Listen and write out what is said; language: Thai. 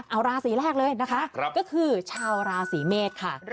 เอาราศีแรกเลยนะคะก็คือชาวราศีเมษค่ะ